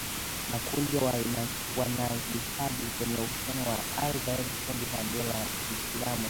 makundi ya wanajihadi yenye uhusiano na al-Qaeda na kundi la dola ya kiislamu